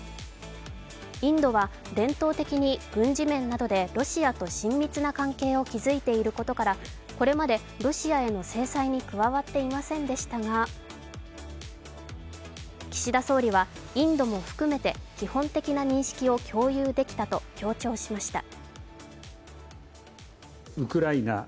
インドは伝統的に軍事面などでロシアと親密な関係を築いていることからこれまでロシアへの制裁に加わっていませんでしたが、岸田総理は、インドも含めて基本的な認識を共有できたと強調しました。